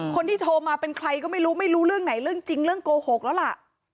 คนที่โทรมาเป็นใครก็ไม่รู้ไม่รู้เรื่องไหนเรื่องจริงเรื่องโกหกแล้วล่ะ